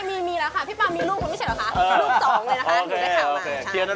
มีแล้วค่ะพี่ปังมีลูกมันไม่ใช่หรือคะ